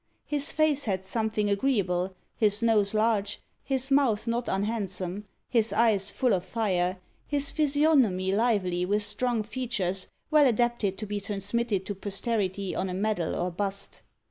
His face had something agreeable, his nose large, his mouth not unhandsome, his eyes full of fire, his physiognomy lively, with strong features, well adapted to be transmitted to posterity on a medal or bust.